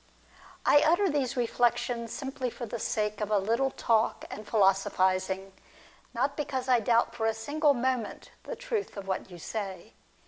I utter these reflections simply for the sake of a little talk and philosophising, not because I doubt for a single moment the truth of what you say.